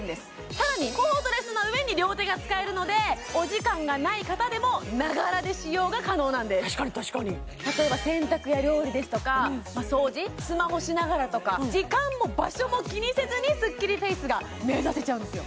さらにコードレスの上に両手が使えるのでお時間がない方でも確かに確かに例えば洗濯や料理ですとか掃除スマホしながらとか時間も場所も気にせずにスッキリフェイスが目指せちゃうんですよ